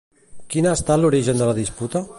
Quin ha estat l'origen de la disputa?